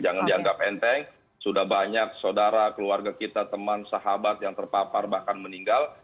jangan dianggap enteng sudah banyak saudara keluarga kita teman sahabat yang terpapar bahkan meninggal